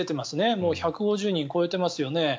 もう１５０人を超えていますよね。